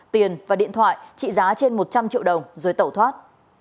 tiền và điện thoại trị giá trên một trăm linh triệu đồng rồi tẩu thoát